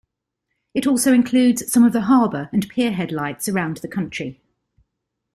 It also includes some of the harbour and pier-head lights around the country.